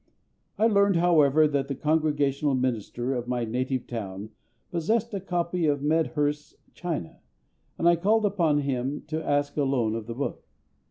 I learned, however, that the Congregational minister of my native town possessed a copy of Medhurst's China, and I called upon him to ask a loan of the book.